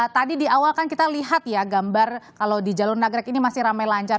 tadi di awal kan kita lihat ya gambar kalau di jalur nagrek ini masih ramai lancar